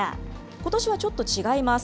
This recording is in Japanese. ことしはちょっと違います。